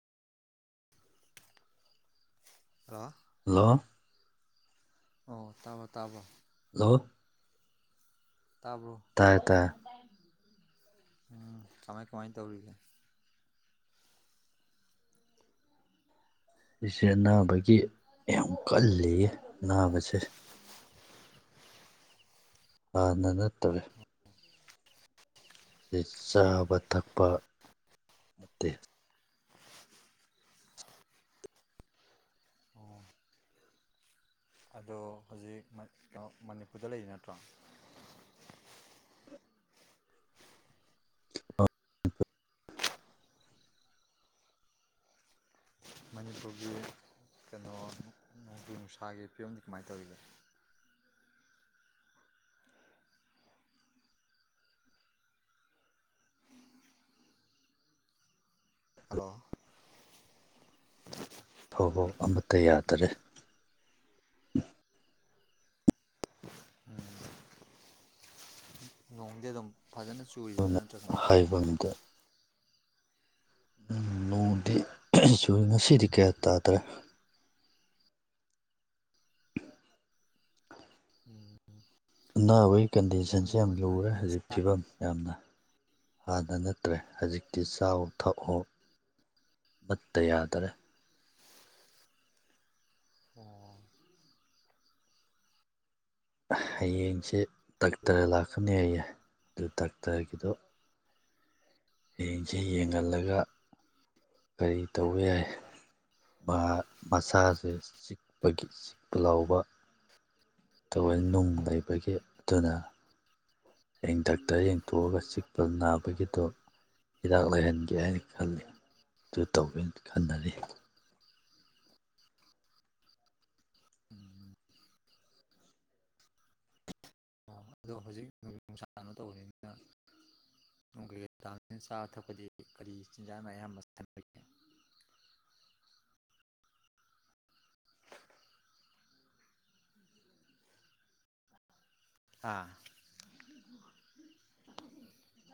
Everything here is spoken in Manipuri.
ꯍꯂꯣ ꯍꯜꯂꯣ ꯑꯣ ꯇꯥꯕ꯭ꯔꯣ ꯇꯥꯕ꯭ꯔꯣ ꯍꯂꯣ ꯇꯥꯕ꯭ꯔꯣ ꯇꯥꯔꯦ ꯇꯥꯔꯦ꯫ ꯎꯝ ꯀꯃꯥꯏ ꯀꯃꯥꯏ ꯇꯧꯔꯤꯒꯦ꯫ ꯑꯩꯁꯦ ꯑꯅꯥꯕꯒꯤ ꯌꯥꯝ ꯀꯜꯂꯤꯌꯦ ꯑꯅꯥꯕꯁꯦ꯫ [unintelligible] ꯆꯥꯕ ꯊꯛꯄ ꯅꯠꯇꯦ ꯑꯣ ꯑꯗꯣ ꯍꯧꯖꯤꯛ ꯃ ꯀꯅꯣ ꯃꯅꯤꯄꯨꯔꯗ ꯂꯩꯔꯤ ꯅꯠꯇ꯭ꯔꯣ꯫ [unintelligible] ꯃꯅꯤꯄꯨꯔꯒꯤ ꯀꯩꯅꯣ ꯅꯣꯡꯖꯨ ꯅꯨꯡꯁꯥꯒꯤ ꯐꯤꯕꯝꯗꯤ ꯀꯃꯥꯏꯅ ꯇꯧꯔꯤꯒꯦ꯫ ꯍꯜꯂꯣ ꯐꯧꯕꯨꯛ ꯑꯃꯠꯇ ꯌꯥꯗꯔꯦ꯫ ꯎꯝ꯫ ꯅꯣꯡꯗꯤ ꯑꯗꯨꯝ ꯐꯖꯅ ꯆꯨꯔꯤꯕ꯭ꯔꯥ ꯑꯗꯨꯅ ꯅꯠꯇ꯭ꯔꯥ ꯀꯃꯥꯏꯅ ꯇꯧꯒꯦ꯫ ꯍꯥꯏꯕ ꯎꯝ ꯅꯣꯡꯗꯤ ꯆꯨꯏ ꯉꯁꯤꯗꯤ ꯀꯌꯥ ꯇꯥꯗ꯭ꯔꯦ꯫ ꯎꯝ ꯑꯅꯥꯕꯩ ꯀꯟꯗꯤꯁꯟꯁꯦ ꯅꯣꯡꯖꯨ ꯌꯥꯝ ꯂꯨꯔꯦ ꯄꯟꯊꯥꯅꯤꯅ ꯍꯧꯖꯤꯛ ꯆꯥꯛ ꯐꯤꯕꯝ ꯌꯥꯝꯅ ꯍꯥꯟꯅ ꯅ ꯐꯠꯇ꯭ꯔꯦ ꯍꯧꯖꯤꯛꯇꯤ ꯆꯥꯑꯣ ꯊꯛꯑꯣ ꯑꯃꯠꯇ ꯌꯥꯗꯔꯦ꯫ ꯑꯣ꯫ ꯍꯌꯦꯡꯁꯦ ꯗꯥꯛꯇ꯭ꯔ ꯂꯥꯛꯀꯅꯦꯌꯦ ꯑꯗꯨ ꯗꯥꯛꯇꯔꯒꯤꯗꯣ ꯍꯌꯦꯡꯁꯦ ꯌꯦꯡꯍꯜꯂꯒ ꯀꯔꯤ ꯇꯧꯕ ꯌꯥꯏ ꯃꯥ ꯃꯁꯥꯁꯦ ꯆꯤꯛꯄꯒꯤ ꯆꯤꯛꯄ ꯂꯥꯎꯕ ꯇꯑꯣꯏ ꯅꯨꯡ ꯂꯩꯕꯒꯤ ꯑꯗꯨꯅ ꯍꯌꯦꯡ ꯗꯥꯛꯇꯔ ꯌꯦꯡꯊꯣꯛꯑꯒ ꯆꯤꯛꯄ ꯅꯥꯕꯒꯤꯗꯣ ꯍꯤꯗꯥꯛ ꯂꯩꯍꯟꯒꯦ ꯍꯥꯏꯅ ꯈꯜꯂꯤ ꯑꯗꯨ ꯇꯧꯒꯦꯅ ꯈꯟꯅꯔꯤ ꯑꯣ ꯑꯗꯣ ꯍꯧꯖꯤꯛ ꯅꯨꯡꯁꯥꯅꯣ ꯇꯧꯅꯤꯅ ꯆꯥꯕ ꯊꯛꯄꯗꯤ ꯀꯔꯤ ꯆꯤꯟꯖꯥꯛꯅ ꯑꯌꯥꯝꯕ ꯁꯥꯟꯅꯒꯦ ꯑꯥ